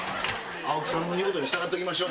青木さんの言うことに従っておきましょう。